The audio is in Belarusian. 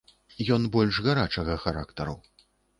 Ён больш гарачага характару.